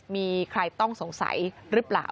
มีใครต้องสงสัยหรือเปล่า